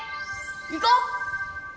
行こう！